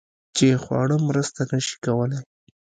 چې خواړه مرسته نشي کولی